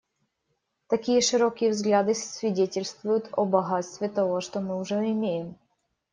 Такие широкие взгляды свидетельствуют о богатстве того, что мы уже имеем.